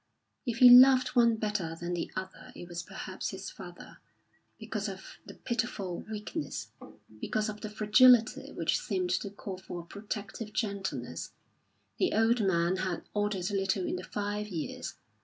If he loved one better than the other it was perhaps his father, because of the pitiful weakness, because of the fragility which seemed to call for a protective gentleness. The old man had altered little in the five years.